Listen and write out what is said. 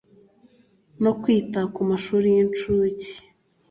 no kwita ku mashuli y inshuke